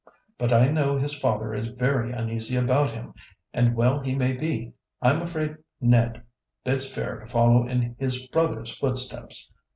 But I know his father is very uneasy about him, and well he may be. I'm afraid Ned bids fair to follow in his brother's footsteps.